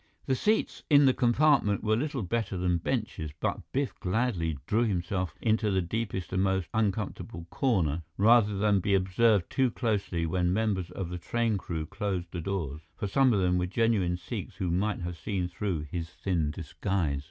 The seats in the compartment were little better than benches, but Biff gladly drew himself into the deepest and most uncomfortable corner, rather than be observed too closely when members of the train crew closed the doors, for some of them were genuine Sikhs who might have seen through his thin disguise.